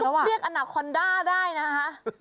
แต่ว่ามันก็เรียกอนาคอนด้าได้นะคะ